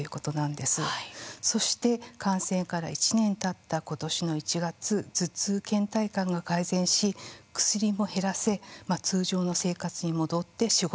そして感染から１年たった今年の１月頭痛けん怠感が改善し薬も減らせ通常の生活に戻って仕事の量も増やしているということです。